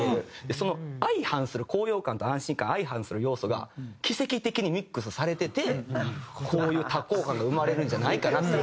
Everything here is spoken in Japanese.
その相反する高揚感と安心感相反する要素が奇跡的にミックスされててこういう多幸感が生まれるんじゃないかなって。